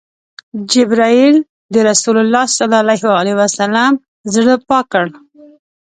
جبرئیل د رسول الله ﷺ زړه پاک کړ.